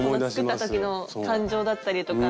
作った時の感情だったりとか。